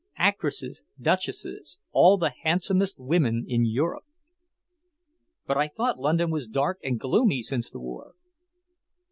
Actresses, duchesses, all the handsomest women in Europe." "But I thought London was dark and gloomy since the war."